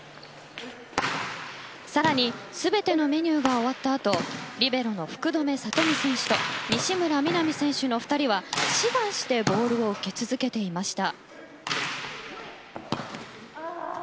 更に全てのメニューが終わったあとリベロの福留慧美選手と西村弥菜美選手の２人は志願してボールを受け続けていました。